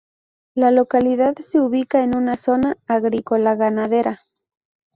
La localidad se ubica en una zona agrícola-ganadera.